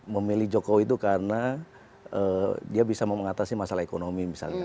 memilih jokowi itu karena dia bisa mengatasi masalah ekonomi misalnya